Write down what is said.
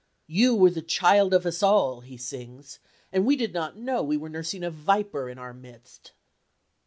"You were the child of us all," he sings, "and we did not know we were nursing a viper in our midst."